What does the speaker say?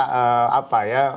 merasa apa ya